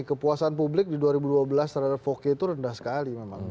kepuasan publik di dua ribu dua belas terhadap voke itu rendah sekali memang